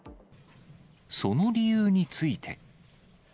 その理由について。